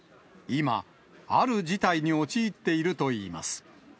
今、ある事態に陥っているといいます。